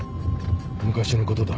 昔のことだ。